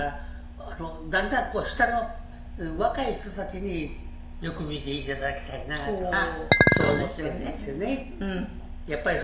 だんだん下の若い人たちによく見て頂きたいなとそう思っているんですよね。